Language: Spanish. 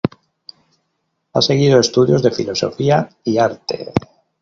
Ha seguido estudios de Filosofía y Arte.